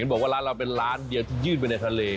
บอกว่าร้านเราเป็นร้านเดียวที่ยื่นไปในทะเล